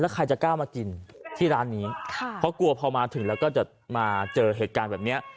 ใครจะกล้ามากินที่ร้านนี้ค่ะเพราะกลัวพอมาถึงแล้วก็จะมาเจอเหตุการณ์แบบนี้